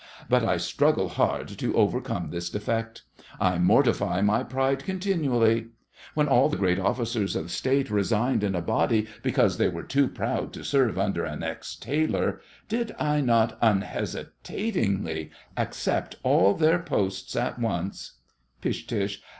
But I struggle hard to overcome this defect. I mortify my pride continually. When all the great officers of State resigned in a body because they were too proud to serve under an ex tailor, did I not unhesitatingly accept all their posts at once? PISH.